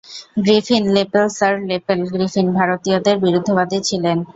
Griffin, Lepel sir Lepel Griffin ভারতীয়দের বিরুদ্ধবাদী ছিলেন।